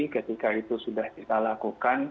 ketika itu sudah kita lakukan